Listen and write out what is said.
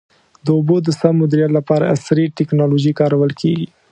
د اوبو د سم مدیریت لپاره عصري ټکنالوژي کارول کېږي.